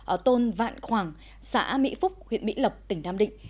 ở tôn vạn khoảng xã mỹ phúc huyện mỹ lộc tỉnh nam định